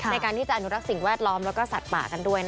ในการที่จะอนุรักษ์สิ่งแวดล้อมแล้วก็สัตว์ป่ากันด้วย